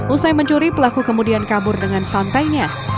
usai mencuri pelaku kemudian kabur dengan santainya